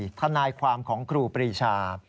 ทนายความของครูปรีชา